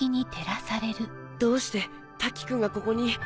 どうして瀧くんがここに？